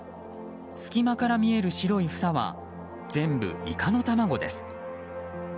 隙間から見える白い房は全部イカの卵です。